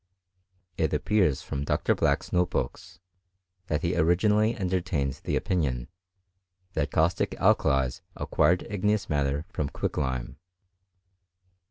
It appeaH from Dr. Black's note books, that he originally eatarii tained the opinion, that caustic alkalies acquired, i^eous matter from quicklime.